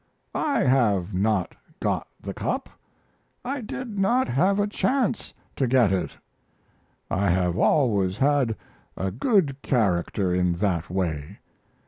I have not got the Cup, I did not have a chance to get it. I have always had a good character in that way.